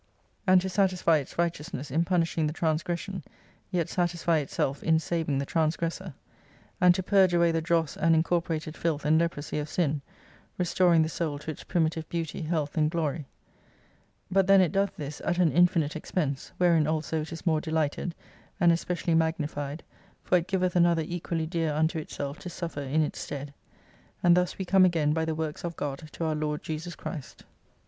and to satisfy its righteousness in punishing the trans gression, yet satisfy itself in saving the transgressor : And to purge away the dross and incorporated filth and leprosy of sin : restoring the Soul to its primitive beauty, health, and glory. But then it doth this at an infinite expense, wherein also it is more delighted, and especially magnified, for it giveth Another equally dear unto itself to suffer in its stead. And thus we come again by the Works of God to our Lord JESUS CHRIST.